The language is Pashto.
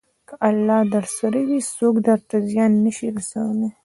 که الله درسره وي، څوک درته زیان نه شي رسولی.